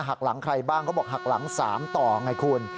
หักหลังใครบ้างเขาบอกหักหลัง๓ต่อไงคุณ